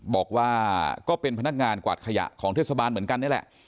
บอกว่าก็เป็นพนักงานกวาดขยะของเทศบาลเหมือนกันนี่แหละ